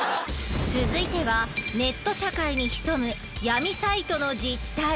続いてはネット社会に潜む闇サイトの実態。